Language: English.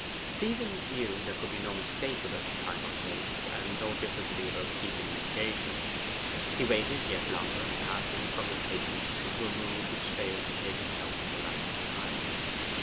Stephen knew there could be no mistake about the time or place, and no difficulty about keeping the engagement. He waited yet longer, passing from impatience into a mood which failed to take any account of the lapse of time.